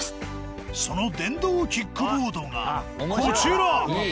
その電動キックボードがこちら。